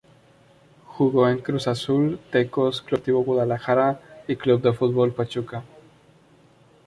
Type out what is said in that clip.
Jugó en Cruz Azul, Tecos, Club Deportivo Guadalajara y Club de Fútbol Pachuca.